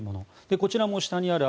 こちらも下にあります